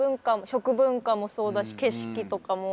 食文化もそうだし景色とかも。